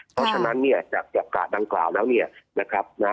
เพราะฉะนั้นเนี่ยจากกะดังกล่าวแล้วเนี่ยนะครับนะ